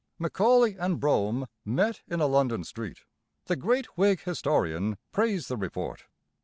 Macaulay and Brougham met in a London street. The great Whig historian praised the Report.